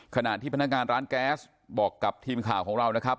ขณะที่พนักงานร้านแก๊สบอกกับทีมข่าวของเรานะครับ